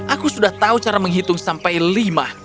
aku sudah tahu cara menghitung sampai lima